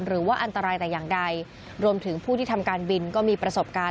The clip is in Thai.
หรือว่าอันตรายแต่อย่างใดรวมถึงผู้ที่ทำการบินก็มีประสบการณ์